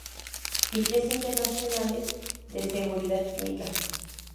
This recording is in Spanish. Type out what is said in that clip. Fichas Internacionales de Seguridad Química.